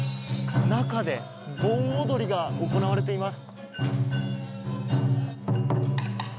中で盆踊りが行われています。